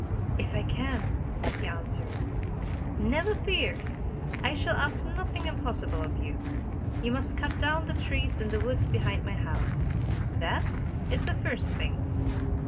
"If I can," he answered. "Never fear! I shall ask nothing im possible of you. You must cut down the trees in the woods behind my house. That is the first thing."